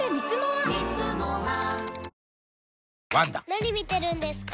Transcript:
・何見てるんですか？